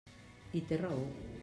I té raó.